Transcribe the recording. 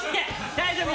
大丈夫。